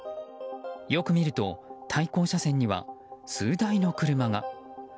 よく見ると、対向車線には数台の車が。